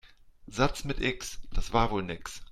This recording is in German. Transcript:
Satz mit X, das war wohl nix.